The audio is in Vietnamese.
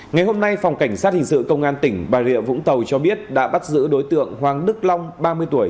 ngày hôm nay phòng cảnh sát hình sự công an tỉnh bà rịa vũng tàu cho biết đã bắt giữ đối tượng hoàng đức long ba mươi tuổi